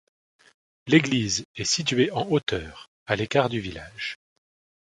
L'église est située en hauteur à l'écart du village.